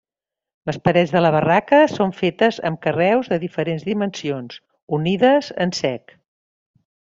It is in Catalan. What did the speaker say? Les parets de la barraca són fetes amb carreus de diferents dimensions, unides en sec.